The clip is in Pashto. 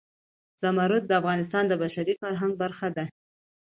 زمرد د افغانستان د بشري فرهنګ برخه ده.